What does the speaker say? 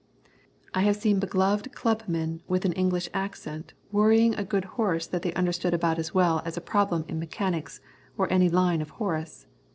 I have seen begloved clubmen with an English accent worrying a good horse that they understood about as well as a problem in mechanics or any line of Horace.